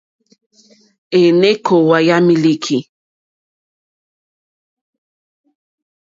Èné kòòwà yà mílíkì.